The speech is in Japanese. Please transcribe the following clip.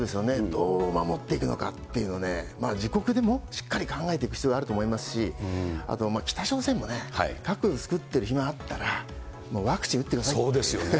どう守っていくのかっていうのは、自国でもしっかり考えていく必要があると思いますし、あと北朝鮮もね、核作ってる暇があったら、ワクチン打ってくださいっていうね。